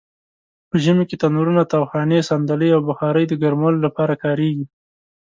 په ژمې کې تنرونه؛ تاوخانې؛ صندلۍ او بخارۍ د ګرمولو لپاره کاریږي.